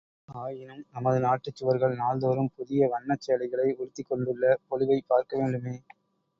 ஆயினும் நமது நாட்டுச் சுவர்கள் நாள்தோறும் புதிய வண்ணச் சேலைகளை உடுத்திக் கொண்டுள்ள பொலிவைப் பார்க்கவேண்டுமே!